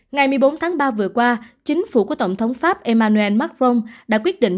ngày một mươi bốn tháng ba vừa qua chính phủ của tổng thống pháp emmanuel macron đã quyết định